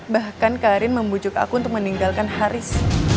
bahkan karin membujuk aku untuk meninggalkan haris